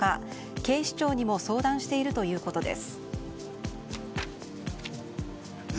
警視庁にも相談しているということです。